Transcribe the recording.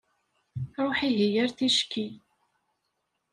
Ruḥ ihi ar-ticki.